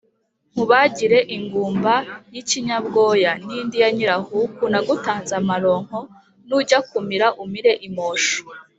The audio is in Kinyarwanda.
nkubagira ingumba y'ikinyabwoya/ n'indi ya nyirahuku/ nagutanze amaronko/ nujya kumira umire imosho